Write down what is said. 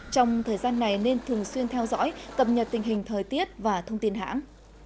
trong thời gian này nên thường xuyên theo dõi cập nhật tình hình thời tiết và thông tin hãng